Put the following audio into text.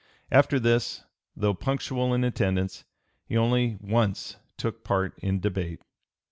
After this, though punctual in attendance, he only once took part in debate.